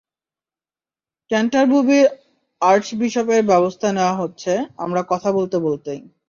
ক্যান্টারবুরির আর্চবিশপের ব্যবস্থা নেওয়া হচ্ছে, আমরা কথা বলতে বলতেই।